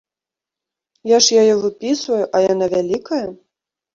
Я ж яе выпісваю, а яна вялікая!